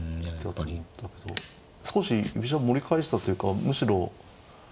少し居飛車盛り返したというかむしろ。